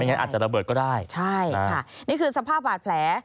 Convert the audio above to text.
งั้นอาจจะระเบิดก็ได้ใช่ค่ะนี่คือสภาพบาดแผล